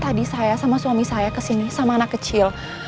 tadi saya sama suami saya kesini sama anak kecil